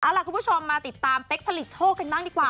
เอาล่ะคุณผู้ชมมาติดตามเป๊กผลิตโชคกันบ้างดีกว่า